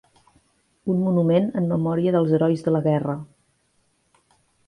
Un monument en memòria dels herois de la guerra.